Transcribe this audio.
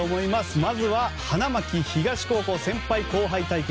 まずは花巻東高校の先輩後輩対決。